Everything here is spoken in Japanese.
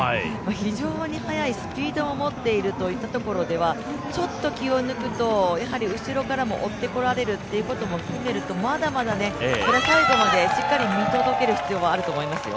非常に速いスピードも持っているところでは、ちょっと気を抜くと後ろからも追ってこられるということも含めると、まだまだ最後までしっかり見届ける必要はあると思いますよ。